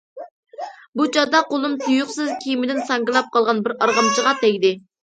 بۇ چاغدا قولۇم تۇيۇقسىز كېمىدىن ساڭگىلاپ قالغان بىر ئارغامچىغا تەگدى.